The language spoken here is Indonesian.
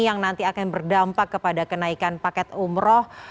yang nanti akan berdampak kepada kenaikan paket umroh